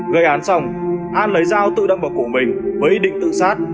gây án xong an lấy dao tự đâm vào cổ mình với ý định tự sát